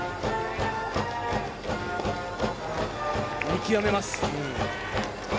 見極めます。